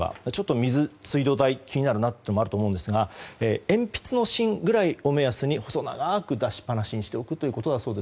水道代が気になるなというのもあると思うんですが鉛筆の芯ぐらいを目安に細長く出しっぱなしにしておくということだそうです。